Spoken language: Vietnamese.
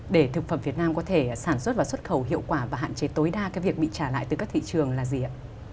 để thực phẩm việt nam có thể sản xuất và xuất khẩu hiệu quả và hạn chế tối đa cái việc bị trả lại từ các thị trường là gì ạ